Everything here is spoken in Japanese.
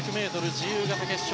自由形決勝。